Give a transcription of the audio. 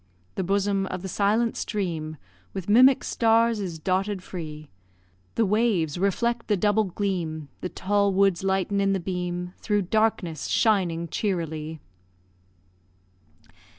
The bosom of the silent stream With mimic stars is dotted free; The waves reflect the double gleam, The tall woods lighten in the beam, Through darkness shining cheerily!